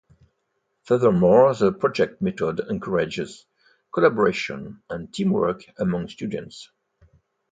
Furthermore, the project method encourages collaboration and teamwork among students.